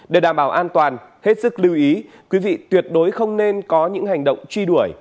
để đảm bảo an toàn hết sức lưu ý quý vị tuyệt đối không nên có những hành động truy đuổi